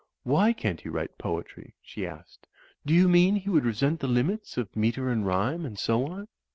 "Why can't he write poetry?" she asked. "Do you mean he would resent the limits of metre and rhyme and so on?"